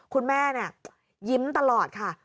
คุณแม่ยิ้มตลอดค่ะ